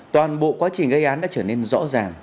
toàn bộ quá trình gây án đã trở nên rõ ràng